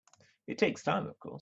It takes time of course.